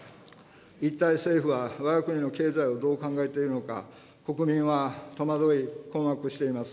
一体政府はわが国の経済をどう考えているのか、国民は戸惑い、困惑しています。